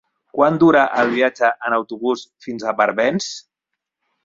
Quant dura el viatge en autobús fins a Barbens?